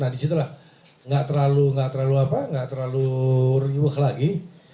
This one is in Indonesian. nah disitulah gak terlalu riuh lagi